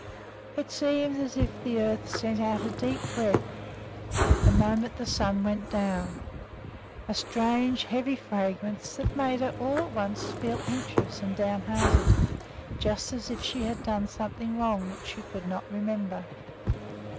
It seemed as if the earth sent out a deep breath the moment the sun went down, a strange, heavy fragrance that made her, all at once, feel anxious and downhearted, just as if she had done something wrong which she could not remember.